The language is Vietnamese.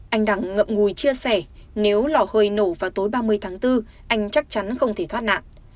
anh đẳng ngậm ngùi chia sẻ nếu lò hơi nổ vào tối ba mươi tháng bốn anh chắc chắn không thể thoát nạn